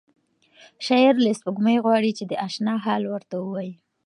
شاعر له سپوږمۍ غواړي چې د اشنا حال ورته ووایي.